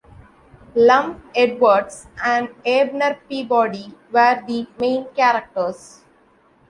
"Lum Edwards" and "Abner Peabody" were the main characters.